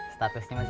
statusnya masih pt kt